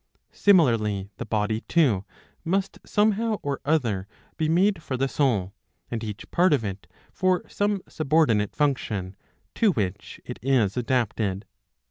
Similarly the body too must somehow or other be made for the soul, and each part of it for some sub ordinate function, to which it is adapted.